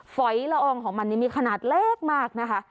ฝอยละอองของมันนี่มีขนาดเล็กมากนะคะ